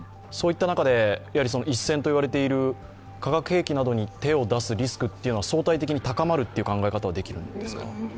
そういった中で一線と言われている化学兵器などに手を出すリスクが相対的に高まるという考え方はできるんですか？